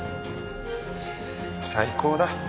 最高だ。